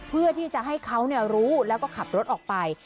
เพื่อที่จะให้เขารู้แล้วก็ขับรถออกไป